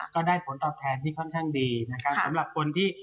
ก็ได้ผลตอบแทนที่ค่อนข้างดี